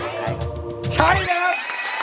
ใช้ใช้นะครับ